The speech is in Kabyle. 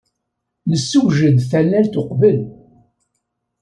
Nessewjed-d tanalt uqbel.